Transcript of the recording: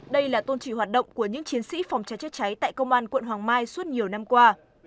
đây là tôn trị hoạt động của những chiến sĩ phòng cháy chữa cháy tại công an quận hoàng mai suốt nhiều năm qua